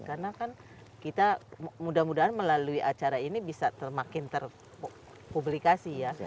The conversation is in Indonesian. karena kan kita mudah mudahan melalui acara ini bisa terpublikasi ya